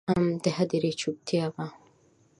د هدیرې چوپتیا به،